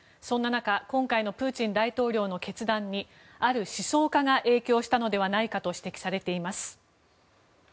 そんな中今回のプーチン大統領の決断にある思想家が影響したのではないかと指摘されています。